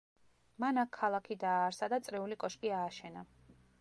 მან აქ ქალაქი დააარსა და წრიული კოშკი ააშენა.